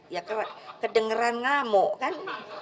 ya kedengeran ngamuk kan